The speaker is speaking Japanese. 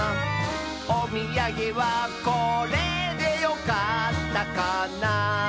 「おみやげはこれでよかったかな」